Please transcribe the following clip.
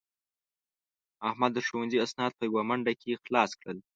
احمد د ښوونځي اسناد په یوه منډه کې خلاص کړل.